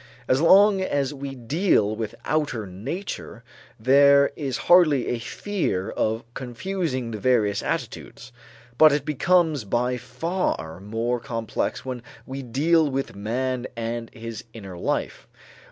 As long as we deal with outer nature, there is hardly a fear of confusing the various attitudes; but it becomes by far more complex when we deal with man and his inner life.